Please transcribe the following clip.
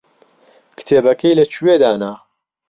کتێبەکەی لەکوێ دانا؟